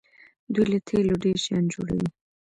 دوی له تیلو ډیر شیان جوړوي.